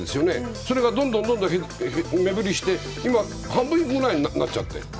それがどんどん目減りして今、半分ぐらいになっちゃって。